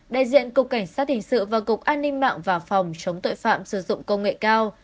đại diện cục cảnh sát hình sự và cục an ninh mạng và phòng chống tội phạm sử dụng công nghệ cao